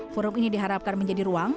forum ini diharapkan menjadi ruang